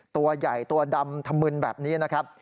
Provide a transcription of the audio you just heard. ตัวใหญ่ตัวดำธมึนแบบนี้นะครับ